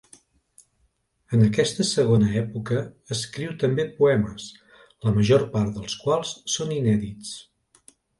En aquesta segona època escriu també poemes, la major part dels quals són inèdits.